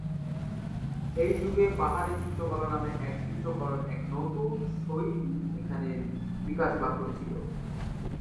এই যুগে পাহাড়ি চিত্রকলা নামে এক চিত্রকলার এক নতুন শৈলী এখানে বিকাশ লাভ করেছিল।